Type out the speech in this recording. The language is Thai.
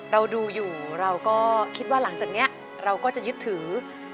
เราดูอยู่เราก็คิดว่าหลังจากนี้เราก็จะยึดถือ